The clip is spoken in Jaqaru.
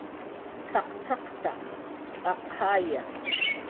"cx""aqcx""aqta, cx'aqaya"